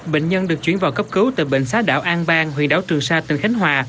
bệnh nhân được chuyển vào cấp cứu từ bệnh sát đảo an bang huyện đảo trường sa tỉnh khánh hòa